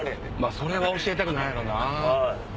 それは教えたくないやろな。